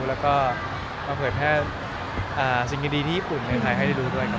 แล้วก็มาเผยแพร่สิ่งดีที่ญี่ปุ่นในไทยให้ได้ดูด้วย